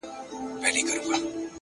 منم چي ټولو سردونو کي به ځان ووينم”